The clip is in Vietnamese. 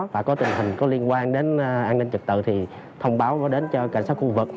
và có tình hình có liên quan đến an ninh trật tự thì thông báo đến cho cảnh sát khu vực